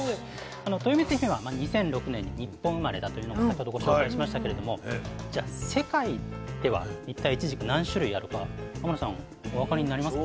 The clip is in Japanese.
とよみつひめは２００６年に日本生まれだというのを先ほどご紹介しましたけれども世界では一体いちじく何種類あるか天野さんお分かりになります？